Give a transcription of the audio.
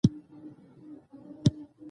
ګوندي وي په یوه کونج کي وکړي دمه